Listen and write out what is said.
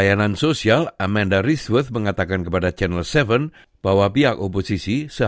dan masih tidak jelas apakah mereka mendukung hak pemerintah